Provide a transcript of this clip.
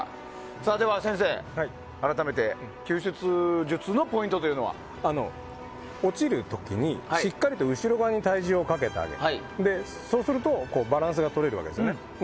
では先生、改めて救出術のポイントというのは？落ちる時にしっかり後ろ側に体重をかけてあげるとするとバランスが取れるわけですね。